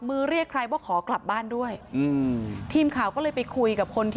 เรียกใครว่าขอกลับบ้านด้วยอืมทีมข่าวก็เลยไปคุยกับคนที่